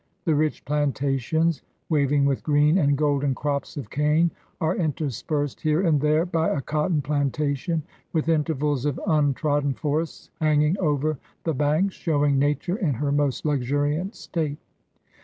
The rich plantations, waving with green 18 BIOGRAPHY OF and golden crops of cane, are interspersed here and there by a cotton plantation, with intervals of untrod den forests hanging over the banks, showing Nature in her most luxuriant state.